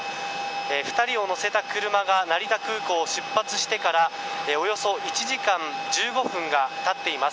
２人を乗せた車が成田空港を出発してからおよそ１時間１５分が経っています。